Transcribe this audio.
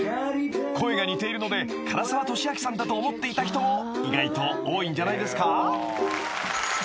［声が似ているので唐沢寿明さんだと思っていた人も意外と多いんじゃないですか？］